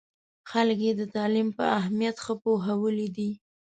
خلک یې د تعلیم په اهمیت ښه پوهولي دي.